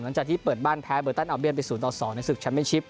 หลังจากที่เปิดบ้านแพ้เบอร์ตันอาเบียนไป๐ต่อ๒ในศึกแมมเป็นชิป